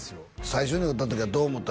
最初に会うた時はどう思った？